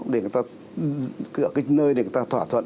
để người ta thỏa thuận